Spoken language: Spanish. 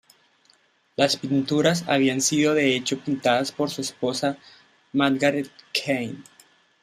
Las pinturas habían sido de hecho pintadas por su esposa Margaret Keane.